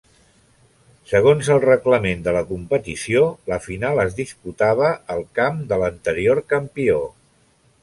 Segons el reglament de la competició, la final es disputava al camp de l'anterior campió.